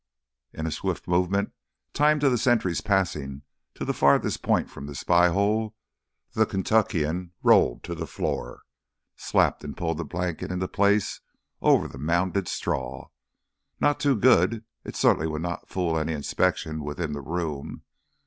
In a swift moment, timed to the sentry's passing to the farthest point from the spy hole, the Kentuckian rolled to the floor, slapped and pulled the blanket into place over the mounded straw. Not too good—it certainly would not fool any inspection within the room.